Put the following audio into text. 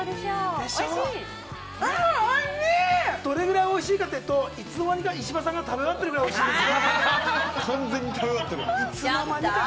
どれぐらいおいしいかって言うといつの間にか石破さんが食べ終わってるくらいおいしいです。